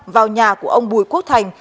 vào nhà của ông bùi quốc thành